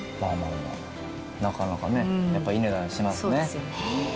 なかなかねやっぱいい値段しますね。